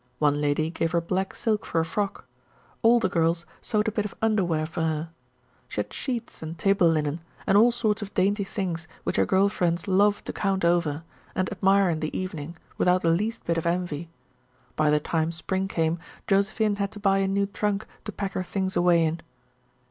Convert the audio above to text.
One lady gave her black silk for a frock. All the girls sewed a bit of underwear for her. She had sheets and table linen, and all sorts of dainty things which her girl friends loved to count over, and admire in the evening without the least bit of envy. By the time Spring came Josephine had to buy a new trunk to pack her things away in.